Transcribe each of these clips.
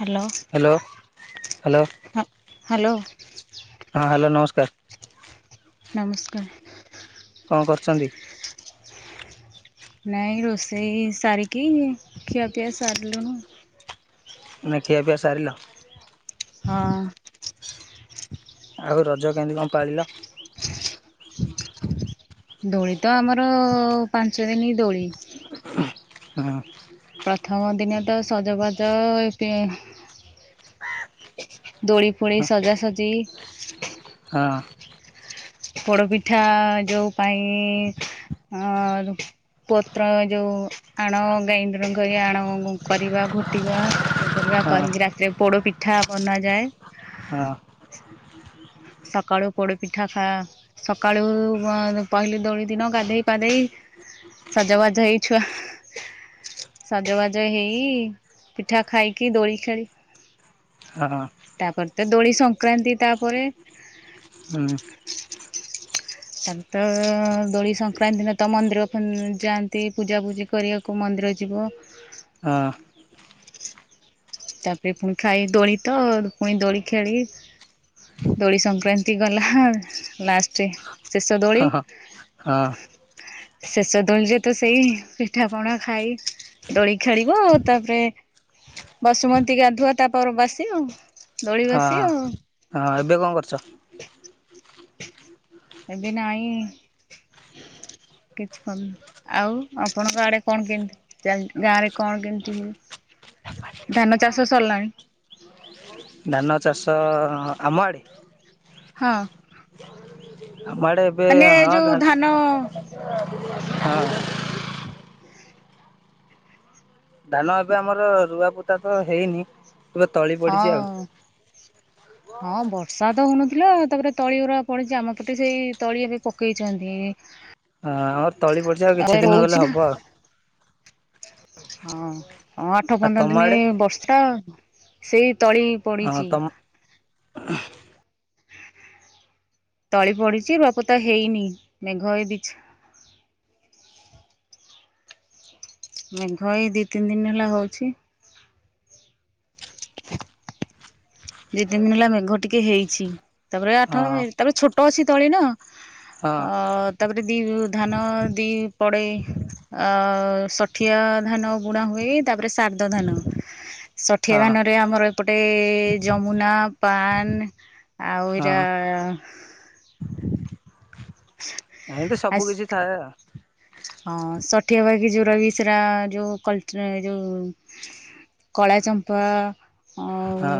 Hello hello hello ହଁ। Hello. ହଁ hello ନମସ୍କାର। ନମସ୍କାର। କଁ କରୁଚନ୍ତି। ନାଇଁ ରୋଷେଇ ସାର କି ଖିଆ ପିଆ ସାର ଲୁଣୁ। ଏଇନା ଖିଆ ପିଆ ସାରିଲ। ହଁ। ଆଉ ରଜ କେମିତି କଁ ପାଳିଲ। ଦୋଳି ତ ଆମର ପାଞ୍ଚ ଦିନି ଦୋଳି। ହଁ ହଁ। ପ୍ରଥମ ଦିନେ ତ ସଜବାଜ ଏତେ ଦୋଳି ଫୁଣି ସଜାସଜି ହଁ। ପୋଡପିଠା ଯୋଉ ପାଇଁ ଅଁ ପତ୍ର ଯୋଉ ଆଣ ଗ୍ରାଇଣ୍ଡର କରି ଆଣ କରିବା ଘୋଟିବା ଇଏ କରିବା। ଆଣ ହଁ କରିକି ରାତିରେ ପୋଡ ପିଠା ବନାଯାଏ। ହଁ। ସକାଳୁ ପୋଡ଼ ପିଠା ଖା ସକାଳୁ ପ ପହିଲି ଦୋଳି ଦିନ ଗାଧେଇ ପାଧେଇ ସଜବାଜ ହେଇଛୁଆ ସଜବାଜ ହେଇ ପିଠା ଖାଇକି ଦୋଳି ଖେଳି ହଁ ତାପରେ ତ ଦୋଳି ସଂକ୍ରାନ୍ତି ତାପରେ ହୁଁ ତାପରେ ତ ଦୋଳି ସଂକ୍ରାନ୍ତି ଦିନ ତ ମନ୍ଦିର ଫନ୍ ଯାଆନ୍ତି ପୂଜା ପୂଜି କରିବାକୁ ମନ୍ ମନ୍ଦିର ଯିବ। ହଁ। ତାପରେ ପୁଣି ଖାଇ ଦୋଳି ତ ପୁଣି ଦୋଳି ଖେଳି ଦୋଳି ସଂକ୍ରାନ୍ତି ଗଲା ଲାଷ୍ଟରେ ଶେଷ ହଁ ଦୋଳି। ହଁ। ଶେଷ ଦୋଳିରେ ତ ସେଇ ପିଠାପଣା ଖାଇ ଦୋଳି ଖେଳିବ ଆଉ ତାପରେ ବସୁମତି ଗାଧୁଆ ତାପରେ ବାସି ଆଉ ଦୋଳି ହଁ ବସି ଆଉ ହଁ ଏବେ କଁ କରୁଛ। ଏବେ ନାଇଁ [unintelligible] କିଛି କନ ଆଉ ଆପଣଙ୍କ ଆଡେ କଣ କେମିତି ଚାଲ ଗାଁରେ କଣ କେମିତି ସବୁ ହଁ ଧାନ ଚାଷ ସରିଲାଣି। ଧାନ ଚାଷ ଆମ ଆଡ଼େ? ହଁ। ଆମ ଆଡ଼େ ଏବେ ମାନେ ହଁ ଯୋଉ ଧାନ ହଁ। ଧାନ ଏବେ ଆମର ରୁଆ ପୋତା ତ ହେଇନି। ଏବେ ତଳି ପଡିଚି ଆଉ। ହଁ [unintelligible] ହଁ ବର୍ଷା ତ ହଉନଥିଲା ତାପରେ ତଳି ଗୁର ପଡିଚି। ଆମ ପଟେ ସେଇ ତଳି ଏବେ ପକେଇଛନ୍ତି। ଆ ଆମର ତଳି ପଡିଚି ଆଉ କିଛି ଦିନ ହଉଛି ଗଲେ ନା ହବ। ହଁ, ହଁ ଆଠ ଆଉ ପନ୍ଦର ତମ ଦିନେ ଆଡ଼େ ବର୍ଷା ସେଇ ତଳି ହଁ ପଡିଚି। ତମ [inaudible] ତଳି ପଡିଚି ରୁଆପୋତା ହେଇନି। ମେଘ ଏ ଦିଛା ମେଘ ଏ ଦିଇ ତିନି ଦିନ ହେଲା ହଉଛି। [inaudible] ଦି ତିନି ଦିନ ହେଲା ମେଘ ଟିକେ ହେଇଛି। ତାପରେ ଆଠ ହଁ ତାପରେ ଛୋଟ ଅଛି ତଳି ନା। ହଁ ଅ, ତାପରେ ଦି ଧାନ ଦି ପଡେ ଅ, ଷଠିଆ ଧାନ ବୁଣା ହୁଏ। ତାପରେ ସେ ଶାରଦ ଧାନ ଷଠିଆ ହଁ ଧାନ ରେ ଆମର ଏପଟେ ଯମୁନା, ପାନ୍ ଆଉ ଏରା ହଁ ଏମତି ତ ସବୁ ଆସ୍ କିଛି ଥାଏ ଆ,। ହଁ ଷଠିଆ ବାକି ଯୋଉରା ବି ସେରା ଯୋଉ କୋଲଟ୍ରେ ଏ ଯୋଉ କଳା ଚମ୍ପା ଆଉ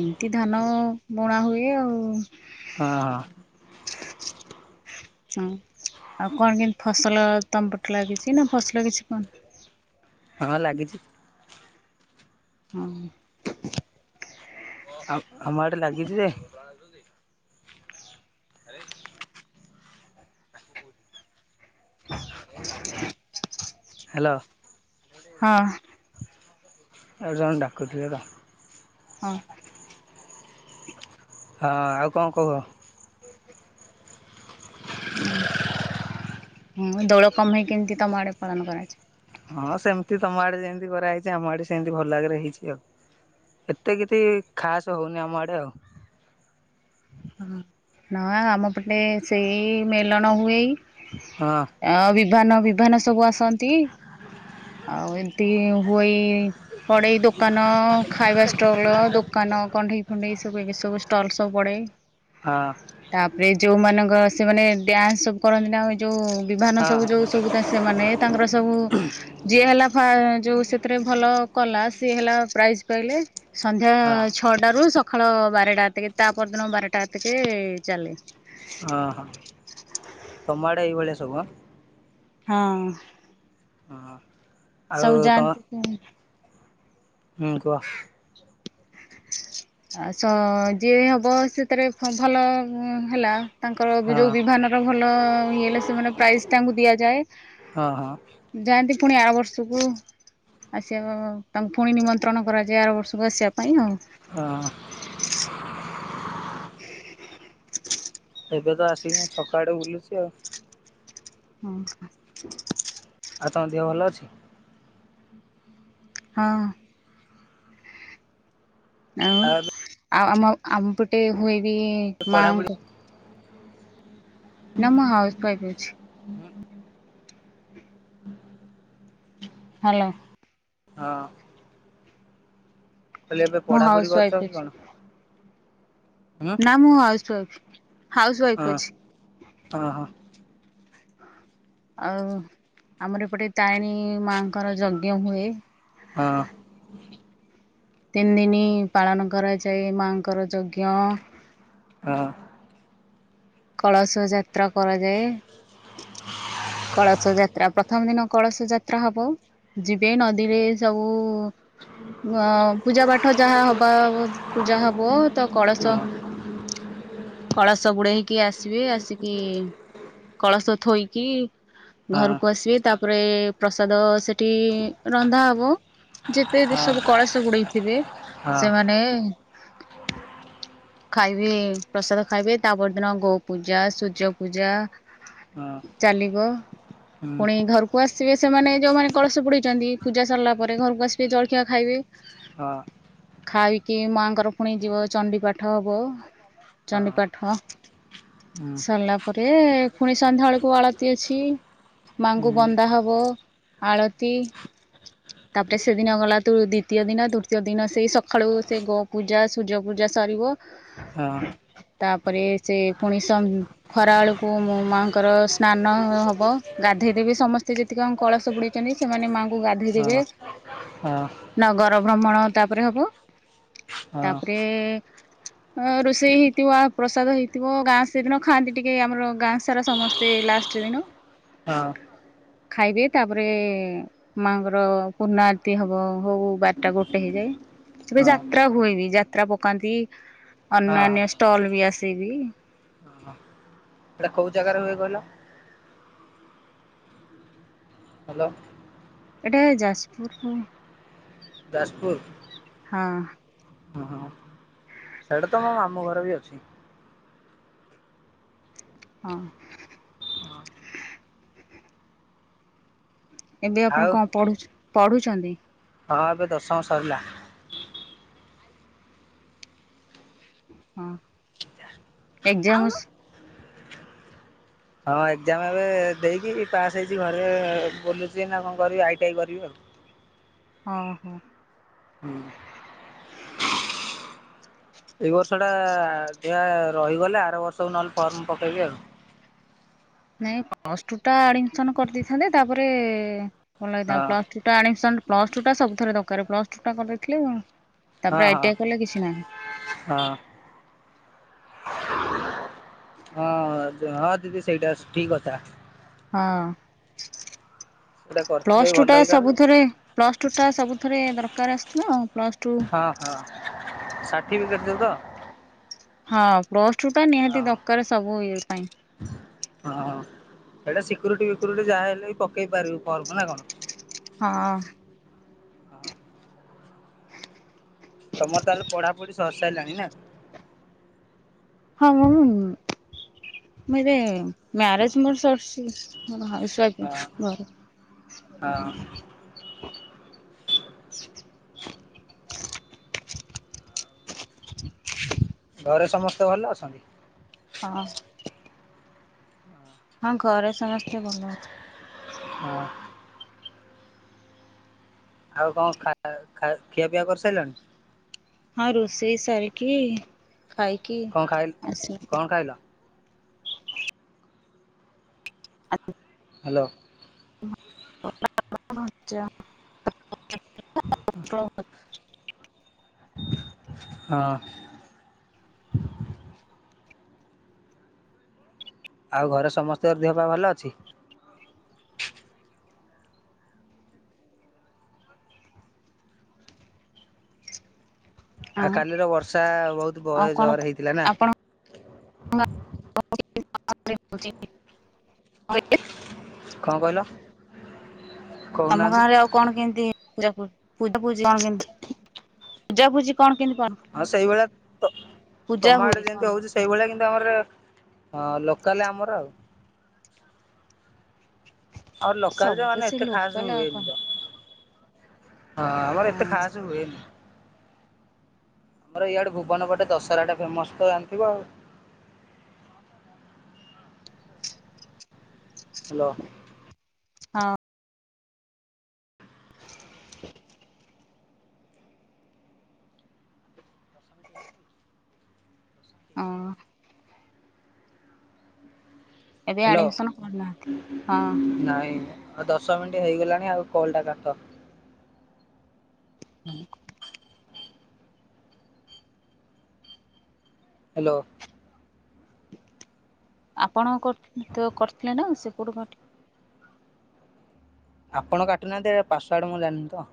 ଏମିତି ଧାନ ବୁଣା ହୁଏ ଆଉ। ହଁ, ହଁ। ହଁ। ଆଉ କଣ କେମତି ଫସଲ ତୋମ ପଟେ ଲାଗିଛି ନା? ଫସଲ କିଛି କନ ହଁ ଲାଗିଛି। ହଁ। ଆଉ ଆମ ଆଡେ ଲାଗିଛି ଯେ ଆରେ। ହ୍ୟାଲୋ। ହଁ। ଏ ଜଣ୍ ଡାକୁଥିଲେ ତ। ହଁ। ହଁ ଆଉ କଣ କୁହ? ଆଉ ହଁ ଦୋଳ କମେହି କେମତି ତୋମ ଆଡ଼େ ପାଳନ କରା ଅଛି? ହଁ ସେମିତି ତୋମ ଆଡେ ଯେମିତି କରାହେଇଚି ଆମ ଆଡେ ସେମତି ଭଲ ଆଗରେ ହେଇଛି ଆଉ। ଏତେ କିଛି ଖାସ୍ ହଉନି ଆମ ଆଡ଼େ ଆଉ। ହଁ ନା ଆମ ପଟେ ସେଇ ମେଲଣ ହୁଏ। ହଁ ଆଉ ବି ଭାନ ବିଭାନ ସବୁ ଆସନ୍ତି। ଆଉ ଏମିତି ହୁଏ। ପଡେ ଏଇ ଦୋକାନ ଖାଇବା ଷ୍ଟଲ୍ ଦୋକାନ କଣ୍ଢେଇ ଫଣ୍ଡେଇ ସ ସବୁ ଏକେ ସବୁ ଷ୍ଟଲ୍ ସବୁ ପଡେ। ହଁ ତାପରେ ଯୋଉମାନଙ୍କ ସେମାନେ ଡ୍ୟାନ୍ସ ସବୁ କରନ୍ତି ନା ଆଉ ଯୋଉ ବିିଭାନ ହଁ ସବୁ ଯୋଉ ସବୁ ତ ସେମାନେ ତାଙ୍କର ସବୁ ଯିଏ ହେଲା ଫା ଯୋଉ ସେଥିରେ ଭଲ କଲା ସି ହେଲା ପ୍ରାଇଜ ପାଇଲେ ସନ୍ଧ୍ୟା ହଁ ଛଅଟାରୁ ସଖାଳ ବାରଟାତିକି ତା ପରଦିନ ବାରଟାତିକେ ଚାଲେ ହଁ ହୋ ତମାଡ଼େ ଏଇବେଳିଆ ସବୁ ହଁ। ହଁ। ଆଉ ସବୁ ତମ ଜାଣିନ୍ତି ସେ ହୁଁ କହ? ଆଉ ଯିଏ ହବ, ସେଥିରେ ଭଲ ହେଲା। ତାଙ୍କର ହଁ ଯୋଉ ବିମାନାନର ଭଲ ଇଏ, ହେଲେ ସେମାନେ ପ୍ରାଇଜ ତାଙ୍କୁ ଦିଆଯାଏ। ହଁ ହଁ ଯାଆନ୍ତି ପୁଣି ଆ ବର୍ଷକୁ ଆସିବା ତାଙ୍କୁ ପୁଣି ନିମନ୍ତ୍ରଣ କରାଯାଏ, ଆର ବର୍ଷକୁ ଆସିବା ପାଇଁ ଆଉ। ହଁ। ଏବେ ତ ଆସିକି, ମୁଁ ଛକା ଆଡେ ବୁଲୁଛି ଆଉ। ହଁ। ଆଉ ତମଙ୍କ ଦେହ ଭଲ ଅଛି? ହଁ। ଆଉ ଆଉ ଆମ ଆମପଟେ ହୁଏବି ଏବେ ମାଙ୍କ ପଢ଼ାପଢ଼ି ନା ମୁଁ ହାଉସ୍ୱାଇଫ୍ ଅଛି। ହ୍ୟାଲୋ! ହଁ। କହିଲେ ଏବେ ମୁଁ ପଢାପଢି ହାଉସ କରୁଛ ୱାଇଫ୍ କି ଅଛି କଣ ହଁ ନା ମୁଁ ହାଉସ ୱାଇଫ ହାଉସ ହଁ ୱାଇଫ ଅଛି। ହଁ ଆଉ ଆମର ଏପଟେ ତାରିଣୀ ମାଙ୍କର ଯଜ୍ଞ ହୁଏ। ହଁ। ତିନି ଦିନି ପାଳନ କରାଯାଏ ମାଙ୍କର ଯଜ୍ଞ ହଁ। କଳସ ଯାତ୍ରା କରାଯାଏ। କଳସ ଯାତ୍ରା ପ୍ରଥମ ଦିନ କଳସ ଯାତ୍ରା ହବ। ଯିବେ ନଦୀରେ ସବୁ ଅ ପୂଜା ପାଠ ଯାହା ହବ ପୂଜା ହବ ତ କଳସ ହଁ କଳସ ବୁଡେଇକି ଆସିବେ ଆସିକି କଳସ ଥୋଇକି ହଁ ଘରକୁ ଆସିବେ ତାପରେ ପ୍ରସାଦ ସେଠି ରନ୍ଧା ହବ। ଯେତେ ବି ହଁ ସବୁ କଳସ ଗୁଡେଇଥିବେ ହଁ ହଁ ସେମାନେ [inaudible] ଖାଇବେ ପ୍ରସାଦ ଖାଇବେ ତାପରଦିନ ଗୋ ପୂଜା ସୂର୍ଯ୍ୟ ପୂଜା ଚାଲିବ। ହୁଁ ପୁଣି ଘରକୁ ଆସିବେ ସେମାନେ ଯୋଉମାନେ କଳସ ବୁଡ଼େଇଛନ୍ତି, ପୂଜା ସରିଲା ପରେ ଘରକୁ ଆସିବେ ଜଳଖିଆ ଖାଇବେ। ହଁ। ଖାଇକି ମାଆଙ୍କର ପୁଣି ଯିବ ଚଣ୍ଡି ପାଠ ହବ। ହଁ ଚଣ୍ଡିପାଠଂ ହୁଁ ସରିଲା ପରେ ପୁଣି ସନ୍ଧ୍ୟା ବେଳକୁ ଆଳତି ଅଛି। ମାଙ୍କୁ ହୁଁ ବନ୍ଦା ହବ ଆଳତି ତାପରେ ସେଦିନ ଗଲା ତୁ ଦ୍ଵିତୀୟ ଦିନ ତୃତୀୟ ଦିନ ସେଇ ସକାଳୁ ସେ ଗୋ ପୂଜା ସୂର୍ଯ୍ୟ ପୂଜା ସରିବ ହଁ ତାପରେ ସେ ପୁଣି ସ ଖରାବେଳକୁ ମୋ ମାଙ୍କର ସ୍ନାନ ହବ ଗାଧେଇ ଦେଵେ ସମସ୍ତେ ସେ ଯେତିକ ଆଙ୍କ କଳସ ବୁଡ଼େଇଛନ୍ତି ସେମାନେ ମାଆଙ୍କୁ ଗାଧେଇ ହଁ ଦେବେ। ହଁ ହଁ। ହଁ ନଗର ଭ୍ରମଣ ତାପରେ ହବ ହଁ ହଁ ତାପରେ ରୋଷେଇ ହେଇଥିବା ପ୍ରସାଦ ହେଇ ଥିବ ଗାଁ ସେଦିନ ଖାଆନ୍ତି ଟିକେ ଆମର ଗାଁ ସାରା ସମସ୍ତେ ଲାଷ୍ଟ ଦିନ [inaudible] ଖାଇବେ ତାପରେ ମାଙ୍କର ପୂର୍ଣ୍ଣ ଆରତି ହବ। ହଉ ହଉ ବାରଟା ଗୋଟେ ହେଇଯାଏ। ସେବେ ଯାତ୍ରା ହୁଏ ବି। ଯାତ୍ରା ପକାନ୍ତି ଅନ୍ୟାନ୍ୟ ଏଇଟା ଷ୍ଟଲ ବି ଆସେବି। ଏଟା କୋଉ ଜାଗାରେ ହୁଏ କହିଲ? ହ୍ୟାଲୋ। ଏଟା ଯାଜପୁରରୁ। ଯାଜପୁର୍। ହଁ। ସେଇଟା ତ ମୋ ମାମୁଁ ଘର ବି ଅଛି। ହଁ। ଏବେ ଆପଣ ଆଉ କଣ ପଢୁ ପଢୁଛନ୍ତି? ହଁ ଏବେ ଦଶମ ସରିଲା। ହଁ ଏଗ୍ଜାମ ହଁ ଏଜାମ ଏବେ ଦେଇକିରି ପାସ୍ ହେଇଛି। ଘରେ ବୁଲୁଛି ନା କଣ କରିବି ଆଇଟି ଆଇ କରିବି ଆଉ। [inaudible] ଅ ହୋ। ହୁଁ। ଏଇ ବର୍ଷ ଟା ଯା ରହିଗଲେ ଆର ବର୍ଷକୁ ନହେଲେ ଫର୍ମ ପକେଇବି ଆଉ। [inaudible] ନାଇଁ ପ୍ଲସଟୁ ଟା ଆଡମିସନ କରି ଦେଇଥାନ୍ତେ। ତାପରେ ଭଲ [unintelligible] ହଁ ପ୍ଲସ ଟୁ ଟା ପ୍ଲସ୍ ଟୁ ଟା ସବୁଥିରେ ଦକାରେ ପ୍ଲସ ଟୁ ଟା କରିଦେଇଥିଲେ ହଁ ତାପରେ ହଁ ଆଇଟିଆ କଲେ କିଛି ନାହିଁ। ହଁ ହଁ ହଁ ଦିଦି ସେଇଟା ଠିକ୍ କଥା। ହଁ। ସେଇଟା କରିଥିଲେ ପ୍ଲସ ଟୁ ଭଲ ଟା ହେଇଥାନ୍ତା ସବୁଥିରେ ପ୍ଲସ ଟୁ ଟା ସବୁଥିରେ ଦରକାର ଆସିଥିଲା ଆଉ। ହଁ ହଁ ଷାଠିଭିକେଟ ଟା ତ? ହଁ ପ୍ଲସଟୁ ଟା ହଁ ନିହାତି ଦକାରେ ସବୁ ଇଏ ପାଇଁ। ହଁ। ସେଇଟା ସିକ୍ୟୁରିଟି ଫିକୁରିଟି ଯାହାହେଲେ ବି ପକେଇ ପାରିବୁ। ଫର୍ମ ନା କଣ? ହଁ। ତମର ତାହେଲେ ପଢାପଢି ସରି ସାରିଲାଣି ନା? ହଁ [unintelligible] ମୁଁ ଏବେ ମ୍ୟାରେଜ ମୋର ସରିଛି। ମୁଁ ହାଉସ୍ ହଁ ସରିଯାଇଛି ଘରେ। ହଁ ଆଉ। ଘରେ ସମସ୍ତେ ଭଲ ଅଛନ୍ତି। ହଁ। ହଁ ଘରେ ସମସ୍ତେ ଭଲ ଅଛି। ହଁ। ଆଉ କଣ ଖା ଖା ଖିଆ ପିଆ କରି ସାରିଲଣି। ହଁ ରୋଷେଇ ସାରିକିି ଖାଇକି କଣ ଖାଇ ଆସିଲି। କଣ ଖାଇଲ? ଆ ହ୍ୟାଲୋ। [unintelligible] ହଁ। ଆଉ ଘରେ ସମସ୍ତଙ୍କ ଦେହ ପା ଭଲ ଅଛି। ହଁ ଆଉ କାଲିର ବର୍ଷା ବହୁତୁ ଆଉ ବହେ କଣ ଜୋରେ ହେଇଥିଲା ନା। ଆପଣଙ୍କ [unintelligible] କଣ କହିଲ? ତମ କହୁନାହାନ୍ତି? ଗାଁ ରେ ଆଉ କଣ କେମିତି ଜା ପୁର ପୂଜା ପୂଜି କଣ କେମତି ପୂଜା ପୂଜି କଣ କେମତି। ହଁ ସେଇଭଳିଆ ତ ପୂଜା ତମ ଆଡେ ହୁଏ କଣ? ଯେମତି ହଉଛି ସେଇଭଳିଆ କି ନ୍ତୁ ଆମର ହଁ ଲୋକାଲ ଆମର ଆଉ। ଆମର ଲୋକାଲ ଯେ ସବୁ ତ ମାନେ ସେ ଏତେ ଖାସ ଲୋକାଲ ଆଉ ହୁଏନି କଣ ତ। ହଁ ଆମର ଏତେ ହଁ ଖାସ ହୁଏନି। ଆମର ଇଆଡେ ଭୁବନ ପଟେ ଦଶହରା ଟା ଫେମସ ତ ଜାଣିଥିବ ଆଉ। ହା ଲୋ। ହଁ। ହଁ। ଏବେ ହାଲୋ ଆଡମିସନ କରିନାହାନ୍ତି ହଁ ନାଇଁ। ଆଉ ଦଶ ମିନିଟ ହେଇଗଲାଣି ଆଉ କଲ ଟା କାଟ। ହୁଁ। ହା ଲୋ। ଆପଣ କରିଥିଲେ ତ କରିଥିଲେ ନା ସେପଟୁ କାଟି। ଆପଣ କାଟୁନାହାନ୍ତି ଏଇଟା ପାସୱାର୍ଡ ମୁଁ ଜାନିନି ତ।